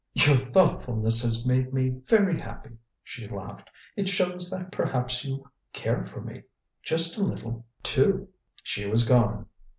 "Your thoughtfulness has made me very happy," she laughed. "It shows that perhaps you care for me just a little too." She was gone!